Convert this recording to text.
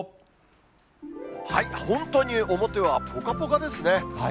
本当に表はぽかぽかですね。